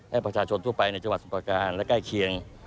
ให้ประชาชนทั่วไปในจังหวัดสมประการและใกล้เคียง